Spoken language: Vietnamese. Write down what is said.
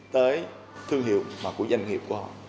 tới thương hiệu mà của doanh nghiệp của họ